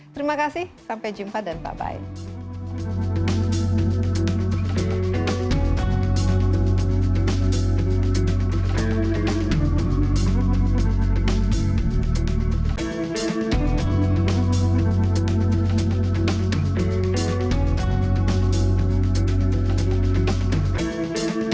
terima kasih sampai jumpa dan bye bye